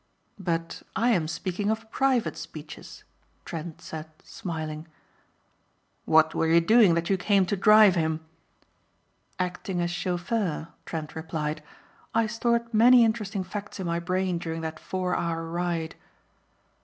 "But I am speaking of private speeches," Trent said smiling. "What were you doing that you came to drive him?" "Acting as chauffeur," Trent replied. "I stored many interesting facts in my brain during that four hour ride."